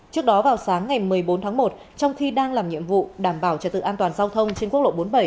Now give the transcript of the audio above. trước đó vào sáng ngày một mươi bốn tháng một trong khi đang làm nhiệm vụ đảm bảo trật tự an toàn giao thông trên quốc lộ bốn mươi bảy